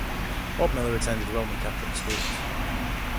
Bob Miller attended Roman Catholic schools.